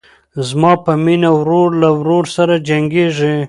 زما په مینه ورور له ورور سره جنګیږي